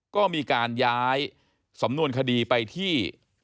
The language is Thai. ก็มีการย้ายสำนวนคดีไปที่